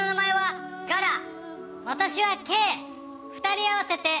２人合わせて。